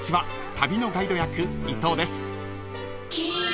旅のガイド役伊藤です］